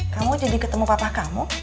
kamu jadi ketemu papa kamu